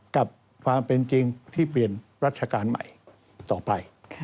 กับความเป็นจริงที่เปลี่ยนรัชกาลใหม่ต่อไป